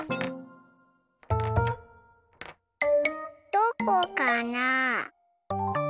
どこかな？